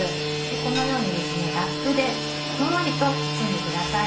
このようにラップでふんわりと包んでください。